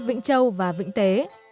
hai xã vĩnh châu và vĩnh tế